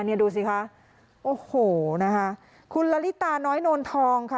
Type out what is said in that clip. เนี่ยดูสิคะโอ้โหนะคะคุณละลิตาน้อยโนนทองค่ะ